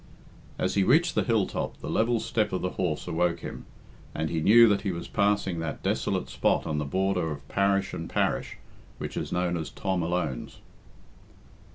As he reached the hilltop the level step of the horse awoke him, and he knew that he was passing that desolate spot on the border of parish and parish which is known as Tom Alone's.